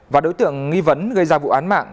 và đối tượng nghi vấn gây ra vụ án mạng